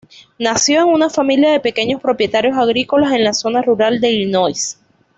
Nació en una familia de pequeños propietarios agrícolas, en la zona rural de Illinois.